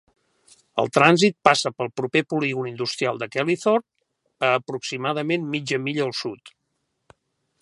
El trànsit passa pel proper polígon industrial de Kelleythorpe, a aproximadament mitja milla al sud.